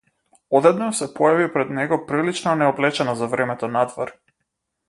Одеднаш се појави пред него прилично необлечена за времето надвор.